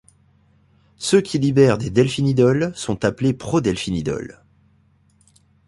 Ceux qui libèrent des delphinidols sont appelés prodelphinidols.